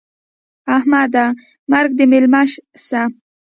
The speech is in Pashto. احمده! مرګ دې مېلمه سه.